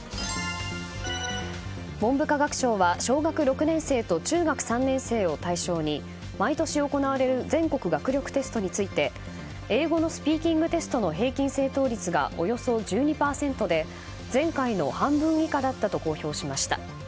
文部科学省は小学６年生と中学３年生を対象に毎年、行われる全国学力テストについて英語のスピーキングテストの平均正答率がおよそ１２％で前回の半分以下だったと公表しました。